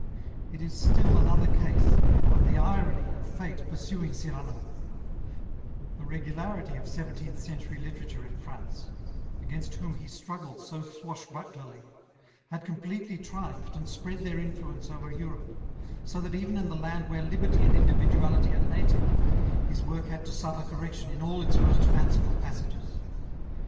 It is still another case of the irony of Fate pursuing Cyrano; the regularity of seventeenth century literature in France, against whom he struggled so swashbucklerly, had completely triumphed and spread their influence over Europe; so that even in the land where liberty and individuality are native, his work had to suffer correction in all its most fanciful passages.